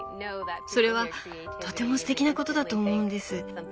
それはとてもすてきなことだと思うんです。